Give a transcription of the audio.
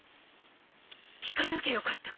聞かなきゃよかった。